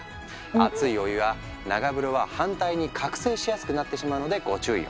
熱いお湯や長風呂は反対に覚醒しやすくなってしまうのでご注意を。